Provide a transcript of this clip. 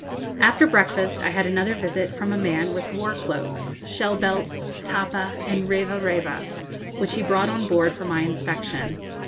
] After breakfast I had another visit from a man with war cloaks, shell belts, tapa, and reva reva, which he brought on board for my inspection.